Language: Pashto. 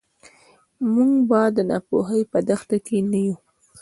موږ به د ناپوهۍ په دښته کې نه یو.